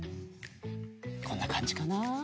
こんなかんじかな。